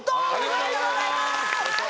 おめでとうございます！